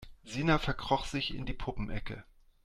Sina verkroch sich in die Puppenecke.